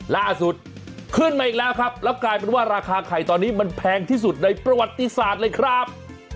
ล่าสุดขึ้นมาอีกแล้วครับแล้วกลายเป็นว่าราคาไข่ตอนนี้มันแพงที่สุดในประวัติศาสตร์เลยครับ